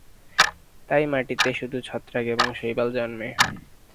তাই মাটিতে শুধু ছত্রাক এবং শৈবাল জন্মে।